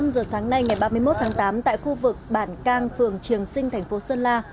năm giờ sáng nay ngày ba mươi một tháng tám tại khu vực bản cang phường triềng sinh thành phố sơn la